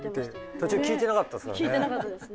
途中聞いてなかったですからね。